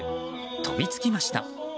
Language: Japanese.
飛びつきました。